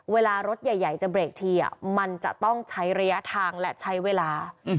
เวลารถใหญ่จะเบรกทีมันจะต้องใช้ระยะทางและใช้เวลา